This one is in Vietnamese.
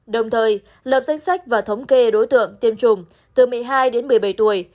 đồng thời lập danh sách và thống kê đối tượng tiêm chủng từ một mươi hai đến một mươi bảy tuổi